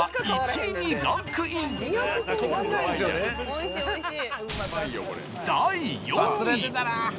おいしいおいしい。